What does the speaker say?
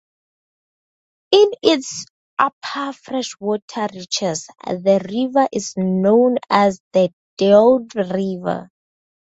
In its upper freshwater reaches, the river is known as the Deua River.